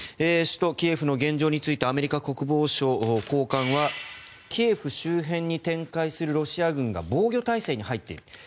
首都キエフの現状についてアメリカ国防省の高官はキエフ周辺に展開するロシア軍が防御態勢に入っている。